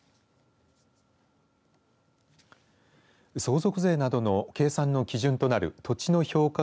相続税などの計算の基準となる土地の評価